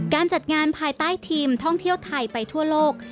จัดงานภายใต้ทีมท่องเที่ยวไทยไปทั่วโลก